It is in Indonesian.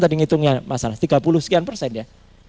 tadi ngitungnya masalah tiga puluh sekian persen ya